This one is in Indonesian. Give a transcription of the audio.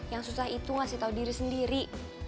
yang susah itu ngasih tahu diri sendiri